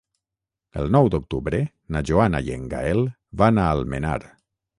El nou d'octubre na Joana i en Gaël van a Almenar.